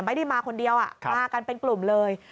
ไม่ได้มาคนเดียวมากันเป็นกลุ่มเลย